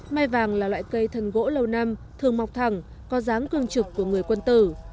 mai vàng là loại cây thân gỗ lâu năm thường mọc thẳng có dáng cương trực của người quân tử